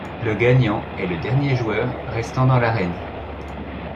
Le gagnant est le dernier joueur restant dans l'arène.